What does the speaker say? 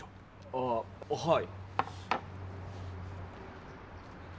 ああはい。